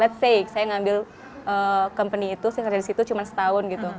let's say saya ngambil company itu saya kerja di situ cuma setahun gitu